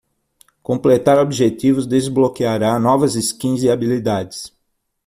Completar objetivos desbloqueará novas skins e habilidades.